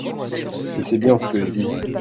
je sais bien ce que je dis.